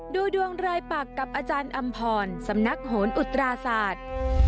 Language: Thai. ดูดวงรายปักกับอาจารย์อำพรสำนักโหนอุตราศาสตร์